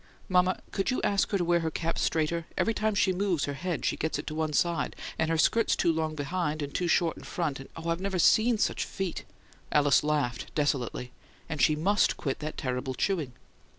"Mama, could you ask her to wear her cap straighter? Every time she moves her head she gets it on one side, and her skirt's too long behind and too short in front and oh, I've NEVER seen such FEET!" Alice laughed desolately. "And she MUST quit that terrible chewing!"